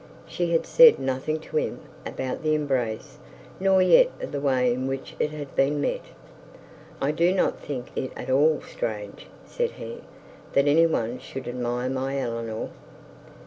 She had said nothing to him about the embrace, nor yet of the way in which it had been met. 'I do not think it at all strange,' said he, 'that any one should admire my Eleanor.'